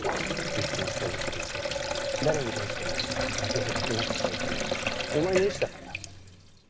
いつも正直でいて誰に対しても分け隔てなくしたいっていうお前の意思だもんな。